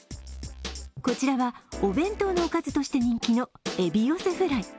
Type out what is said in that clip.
こちらは、お弁当のおかずとして人気のエビ寄せフライ。